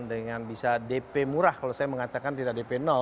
dengan bisa dp murah kalau saya mengatakan tidak dp